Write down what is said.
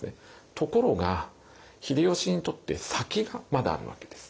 ところが秀吉にとって先がまだあるわけです。